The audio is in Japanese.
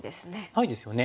ないですよね。